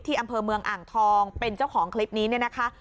อำเภอเมืองอ่างทองเป็นเจ้าของคลิปนี้เนี่ยนะคะ